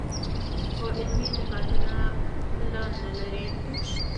خو علمي نهادونه پلان نه لري.